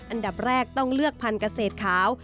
อันดับแรกต้องเลือกพันธุ์เกษตรขาว